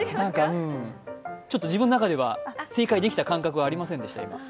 自分の中では正解できた感覚はありませんでした。